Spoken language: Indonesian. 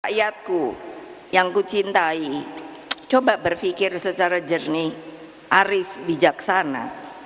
pakyatku yang kucintai coba berpikir secara jernih arif bijaksana